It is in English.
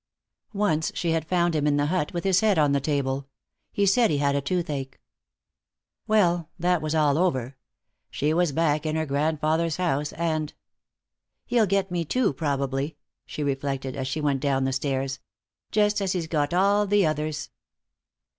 Once she had found him in the hut, with his head on a table. He said he had a toothache. Well, that was all over. She was back in her grandfather's house, and "He'll get me too, probably," she reflected, as she went down the stairs, "just as he's got all the others."